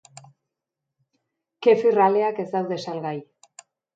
Kefir aleak ez daude salgai.